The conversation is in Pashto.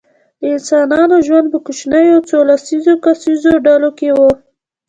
د انسانانو ژوند په کوچنیو څو لس کسیزو ډلو کې و.